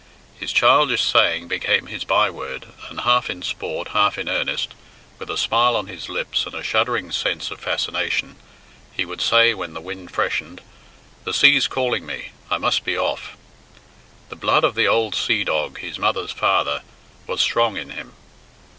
His childish saying became his by word, and half in sport, half in earnest, with a smile on his lips, and a shuddering sense of fascination, he would say when the wind freshened, "The sea's calling me, I must be off." The blood of the old sea dog, his mother's father, was strong in him.